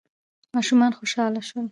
ماشومان خوشحاله شول.